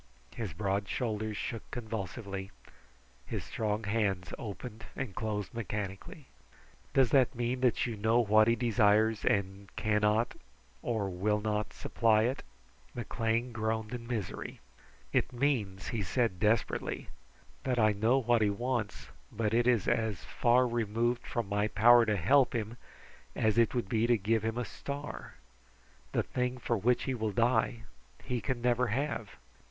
His broad shoulders shook convulsively. His strong hands opened and closed mechanically. "Does that mean that you know what he desires and cannot, or will not, supply it?" McLean groaned in misery. "It means," he said desperately, "that I know what he wants, but it is as far removed from my power to help him as it would be to give him a star. The thing for which he will die, he can never have."